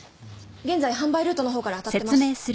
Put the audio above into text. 現在販売ルートのほうからあたってます。